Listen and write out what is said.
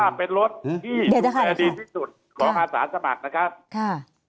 และจากสมัครนะครับค่ะ